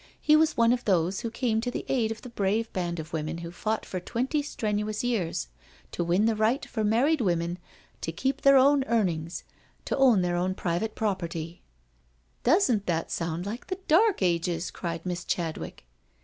He was one of those who came to the aid of the brave band of women who fought for twenty strenuous years to win the right for married women to keep their own earnings, to own their own private property "" Doesn't that sound like the dark ages?" cried Miss Chad wick.